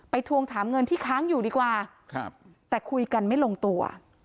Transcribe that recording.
ทวงถามเงินที่ค้างอยู่ดีกว่าแต่คุยกันไม่ลงตัว